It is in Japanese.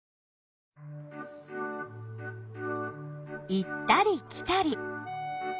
行ったり来たり。